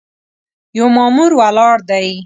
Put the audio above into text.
یو مامور ولاړ دی.